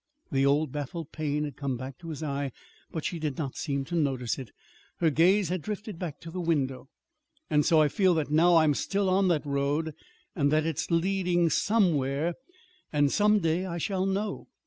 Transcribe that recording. The old baffled pain had come back to his eyes, but she did not seem to notice it. Her gaze had drifted back to the window. "And so I feel that now I'm still on that road and that it's leading somewhere; and some day I shall know.